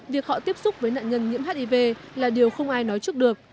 việc họ tiếp xúc với nạn nhân nhiễm hiv là điều không ai nói trước được